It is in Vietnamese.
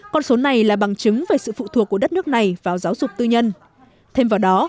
con số này là bằng chứng về sự phụ thuộc của đất nước này vào giáo dục tư nhân thêm vào đó